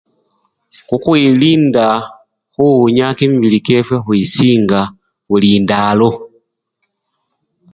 Khukhwilinda khuwunya kimibili kyefwe khwisinga buli ndalo.